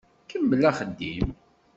Kemmel axeddim.